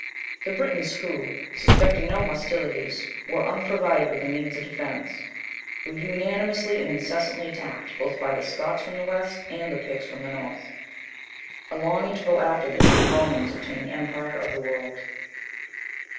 The Britons who, suspecting no hostilities, were unprovided with the means of defence, were unanimously and incessantly attacked, both by the Scots from the west, and by the Picts from the north. A long interval after this, the Romans obtained the empire of the world.